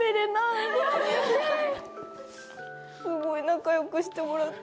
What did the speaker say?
すごい仲良くしてもらって。